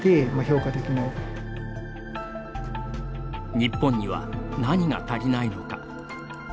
日本には何が足りないのか。